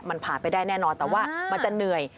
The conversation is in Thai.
มันผ่านไปได้แน่นอนแต่ว่ามันจะเหนื่อย